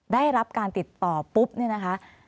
ได้รับการติดต่อปุ๊บเนี่ยนะคะ